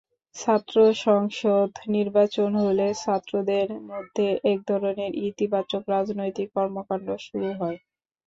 ছাত্রসংসদ নির্বাচন হলে ছাত্রদের মধ্যে একধরনের ইতিবাচক রাজনৈতিক কর্মকাণ্ড শুরু হয়।